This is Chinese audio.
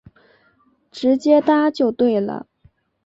直接搭就对了